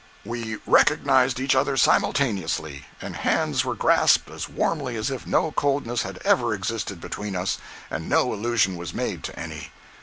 102.jpg (41K) We recognized each other simultaneously, and hands were grasped as warmly as if no coldness had ever existed between us, and no allusion was made to any.